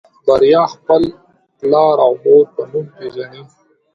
بريا خپل پلار او مور په نوم پېژني.